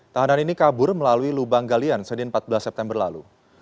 tahanan ini kabur melalui lubang galian senin empat belas september lalu